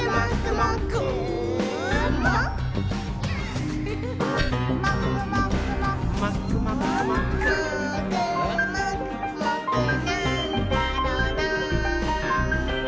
「もーくもくもくなんだろなぁ」